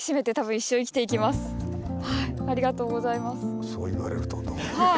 そう言われるとどうも。